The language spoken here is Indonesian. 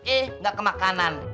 eh nggak kemakanan